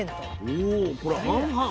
おこれ半々。